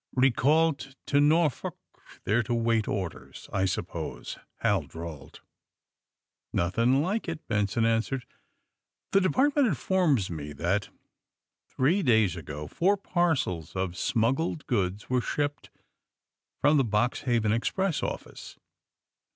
'^Eecalled to Norfolk, there to wait orders, I suppose,'^ Hal drawled. ^^ Nothing like it," Benson answered. *^The Department informs me that, three days ago, four parcels of smuggled goods were shipped from the Boxhaven express office.